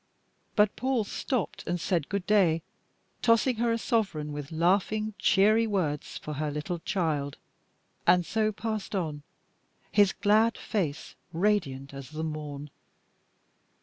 But Paul stopped and said good day, tossing her a sovereign with laughing, cheery words for her little child and so passed on, his glad face radiant as the morn.